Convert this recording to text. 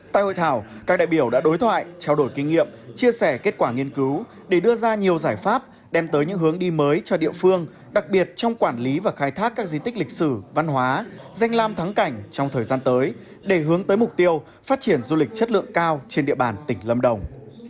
tại hội thảo các đại biểu đã đối thoại trao đổi kinh nghiệm chia sẻ kết quả nghiên cứu để đưa ra nhiều giải pháp đem tới những hướng đi mới cho địa phương đặc biệt trong quản lý và khai thác các di tích lịch sử văn hóa danh lam thắng cảnh trong thời gian tới để hướng tới mục tiêu phát triển du lịch chất lượng cao trên địa bàn tỉnh lâm đồng